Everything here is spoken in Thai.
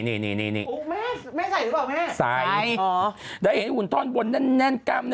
นี่นี่แม่ใส่หรือเปล่าแม่ใส่ได้เห็นหุ่นท่อนบนแน่นกล้าม